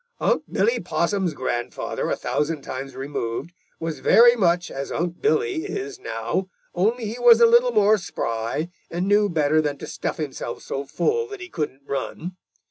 "Unc' Billy Possum's grandfather a thousand times removed was very much as Unc' Billy is now, only he was a little more spry and knew better than to stuff himself so full that he couldn't run.